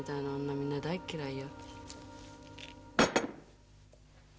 みんな大嫌いよ